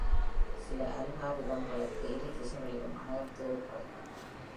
சில அல்காரிதம்களுக்கு இரு திசைகளிலும் அணுகல் தேவைப்படுகிறது.